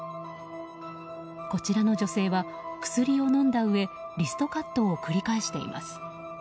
こちらの女性は、薬を飲んだうえリストカットを繰り返しています。